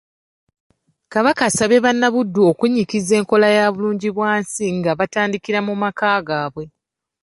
Kabaka asabye bannabuddu okunnyikiza enkola ya bulungibwansi nga batandikira mu maka gaabwe.